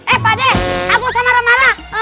eh pak ade kamu sama remara